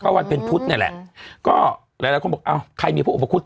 เพราะวันเป็นพุธเนี่ยแหละค่ะก็หลายคนบอกอ่าวใครมีพระอุปกุธ